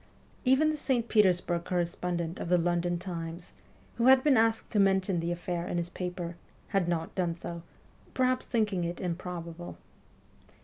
Even the St. Petersburg correspondent of the London Times, who had been asked to mention the affair in his paper, had not done so, perhaps thinking it improbable.